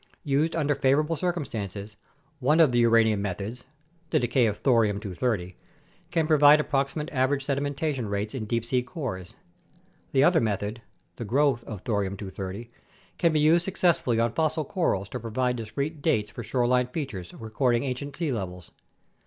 Used under favorable circumstances, one of the uranium methods (the decay of 230 Th) can provide approximate average sedimentation rates in deep sea cores. The other method (the growth of 230 Th) can be used successfully on fossil corals to provide discrete dates for shore line features recording ancient sea levels.